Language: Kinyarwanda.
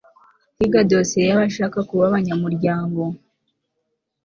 kwiga dosiye y'abashaka kuba abanyamuryango